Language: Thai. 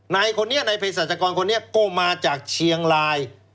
ในสถาสตรกรรณ์ที่คนนี้ก็มาจากเชียงลาย